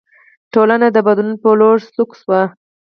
ټولنه د بدلون په لور سوق شوه.